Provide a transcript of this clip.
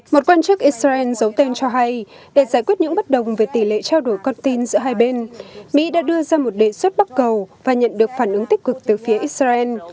một quan chức israel giấu tên cho hay để giải quyết những bất đồng về tỷ lệ trao đổi con tin giữa hai bên mỹ đã đưa ra một đề xuất bắt cầu và nhận được phản ứng tích cực từ phía israel